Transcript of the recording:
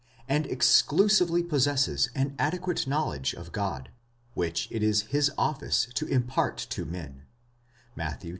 and exclusively possesses an adequate knowledge of God, which it is his office to impart to men (Matt, xi.